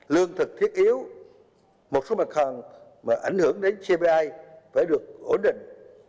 lương thực thiết yếu một số mặt hàng mà ảnh hưởng đến cpi phải được ổn định